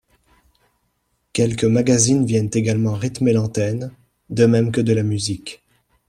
Quelques magazines viennent également rythmer l'antenne, de même que de la musique.